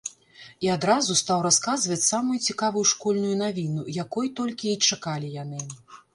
І адразу стаў расказваць самую цікавую школьную навіну, якой толькі й чакалі яны.